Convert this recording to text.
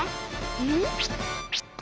うん？